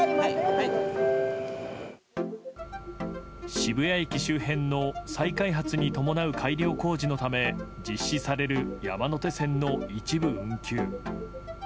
渋谷駅周辺の再開発に伴う改良工事のため実施される山手線の一部運休。